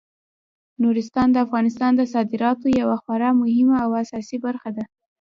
نورستان د افغانستان د صادراتو یوه خورا مهمه او اساسي برخه ده.